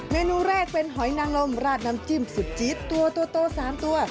เมนูแรกเป็นหอยนางลมราดน้ำจิ้มสุดจี๊ดตัวตัวโต๓ตัว